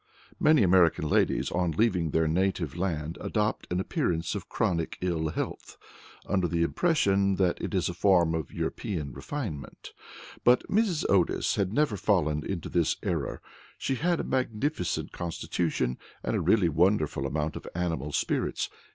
Many American ladies on leaving their native land adopt an appearance of chronic ill health, under the impression that it is a form of European refinement, but Mrs. Otis had never fallen into this error. She had a magnificent constitution, and a really wonderful amount of animal spirits.